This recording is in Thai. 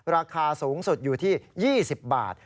ราคาสูงสุดอยู่ที่๒๐บาท